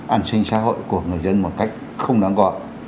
an sinh xã hội của người dân một cách không đáng gọi